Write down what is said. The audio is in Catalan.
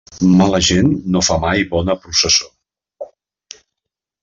Mala gent no fa mai bona processó.